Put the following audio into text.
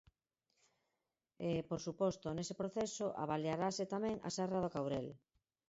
E, por suposto, nese proceso avaliarase tamén a serra do Courel.